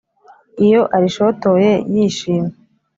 Iyo arishotoye yishimye